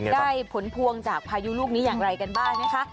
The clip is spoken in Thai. ได้ผลพวงจากพายุลูกนี้อย่างไรกันบ้างนะคะ